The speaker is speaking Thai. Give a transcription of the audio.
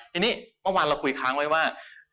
ทีนี้เมื่อวานเราคุยค้างไว้ว่า